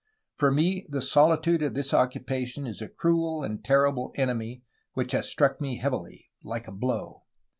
For me the solitude of this occupa tion is a cruel and terrible enemy which has struck me heavily, like a blow.